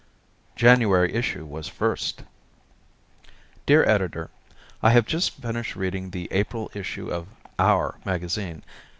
January Issue Was First Dear Editor: I have just finished reading the April issue of "our" magazine.